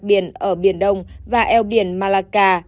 đặc biệt ở biển đông và eo biển malacca